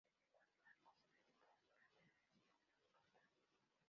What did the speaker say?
Tiene cuatro arcos de medio punto laterales y uno frontal.